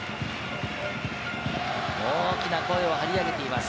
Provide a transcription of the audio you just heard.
大きな声を張り上げています。